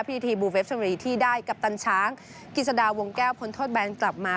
พิธีบูเฟฟเชรีที่ได้กัปตันช้างกิจสดาวงแก้วพ้นโทษแบนกลับมา